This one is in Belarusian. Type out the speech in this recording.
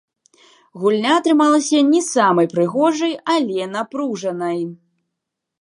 Гульня атрымалася не самай прыгожай, але напружанай.